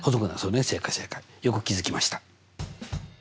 よく気付きました。